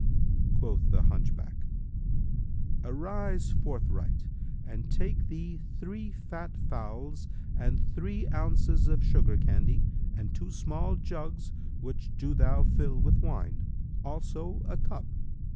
Quoth the hunchback, "Arise forthright and take thee three fat fowls and three ounces[FN#314] of sugar candy and two small jugs which do thou fill with wine; also a cup.